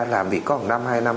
làm việc có một năm hai năm